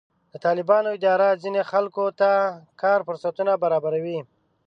د طالبانو اداره ځینې خلکو ته د کار فرصتونه برابروي.